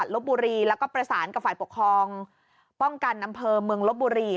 ลบบุรีแล้วก็ประสานกับฝ่ายปกครองป้องกันอำเภอเมืองลบบุรี